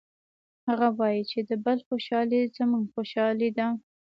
هغه وایي چې د بل خوشحالي زموږ خوشحالي ده